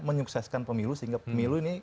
menyukseskan pemilu sehingga pemilu ini